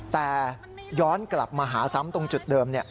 แต่ย้อนกลับมาหาซ้ำตรงจุดเดิม